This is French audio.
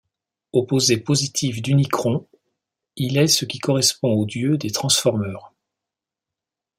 Opposé positif d'Unicron, il est ce qui correspond au Dieu des Transformers.